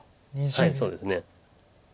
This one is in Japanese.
はいそうですね。